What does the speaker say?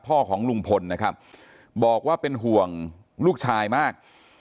ของลุงพลนะครับบอกว่าเป็นห่วงลูกชายมาก